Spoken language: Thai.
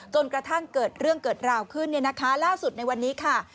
จนกระทั่งเกิดเรื่องเกิดราวขึ้นเนี่ยนะคะล่าสุดในวันนี้ค่ะ